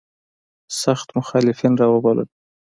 سخت مخالفین را وبلل.